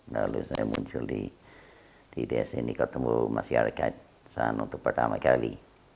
lalu saya muncul di desa ini ketemu masyarakat sana untuk pertama kali